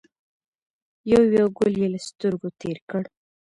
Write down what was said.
یو یو ګل یې له سترګو تېر کړ.